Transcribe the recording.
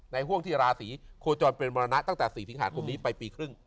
ห่วงที่ราศีโคจรเป็นมรณะตั้งแต่๔สิงหาคมนี้ไปปีครึ่ง